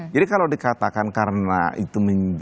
jadi kalau dikatakan karena itu